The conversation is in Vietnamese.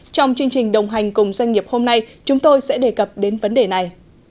trong chương trình đồng hành cùng doanh nghiệp hôm nay chúng tôi sẽ đề cập đến vấn đề này